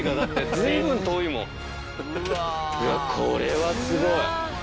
うわこれはすごい。